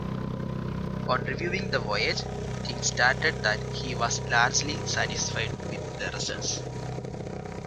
On reviewing the voyage, King stated that he was largely satisfied with the results.